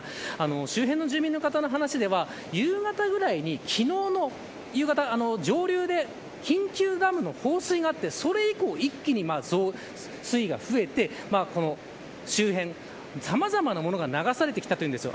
周辺の住民の方の話では夕方くらいに上流で緊急ダムの放水があってその以降、一気に水位が増えて周辺でさまざまなものが流されてきたということです。